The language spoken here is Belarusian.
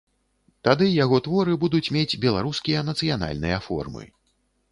Тады яго творы будуць мець беларускія нацыянальныя формы.